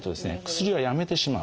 薬をやめてしまう。